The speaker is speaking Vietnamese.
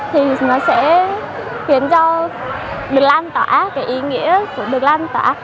thì nó sẽ khiến cho được lan tỏa cái ý nghĩa của được lan tỏa